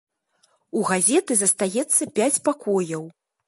У газеты застаецца пяць пакояў.